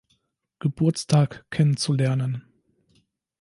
Geburtstag kennen zu lernen.